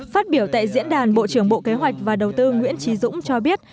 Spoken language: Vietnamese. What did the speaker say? phát biểu tại diễn đàn bộ trưởng bộ kế hoạch và đầu tư nguyễn trí dũng cho biết